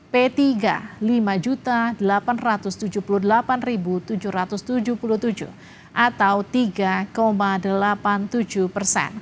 p tiga lima delapan ratus tujuh puluh delapan tujuh ratus tujuh puluh tujuh atau tiga delapan puluh tujuh persen